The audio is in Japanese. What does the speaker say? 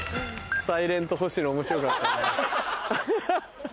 サイレントほしの面白かったな。